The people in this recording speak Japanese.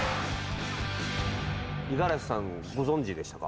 五十嵐さんご存じでしたか？